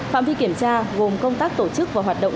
phạm vi kiểm tra gồm công tác tổ chức và hoạt động